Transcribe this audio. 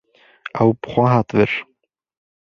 Ew bi xwe hat vir.